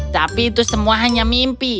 tapi itu semua hanya mimpi